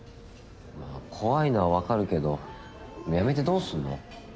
まあ怖いのはわかるけどやめてどうするの？